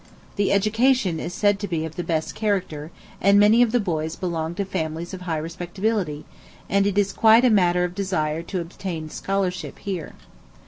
The education, is said to be of the best character, and many of the boys belong to families of high respectability, and it is quite a matter of desire to obtain scholarship here.